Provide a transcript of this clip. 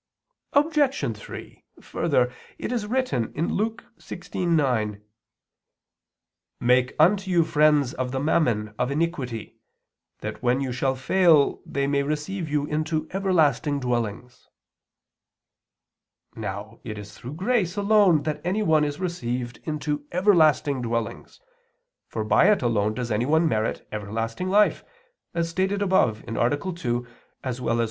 Obj. 3: Further, it is written (Luke 16:9): "Make unto you friends of the mammon of iniquity, that when you shall fail they may receive you into everlasting dwellings." Now it is through grace alone that anyone is received into everlasting dwellings, for by it alone does anyone merit everlasting life as stated above (A. 2; Q.